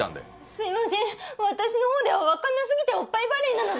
すみません、私のほうでは分かんなすぎておっぱいバレーなので。